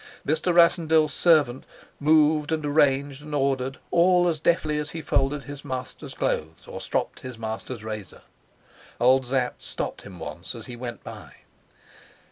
Mr. Rassendyll's servant moved and arranged and ordered all as deftly as he folded his master's clothes or stropped his master's razor. Old Sapt stopped him once as he went by.